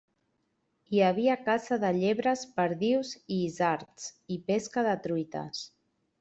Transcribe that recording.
Hi havia caça de llebres, perdius i isards, i pesca de truites.